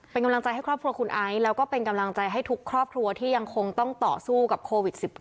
เป็นกำลังใจให้ครอบครัวคุณไอซ์แล้วก็เป็นกำลังใจให้ทุกครอบครัวที่ยังคงต้องต่อสู้กับโควิด๑๙